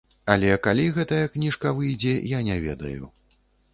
Але калі гэтая кніжка выйдзе, я не ведаю.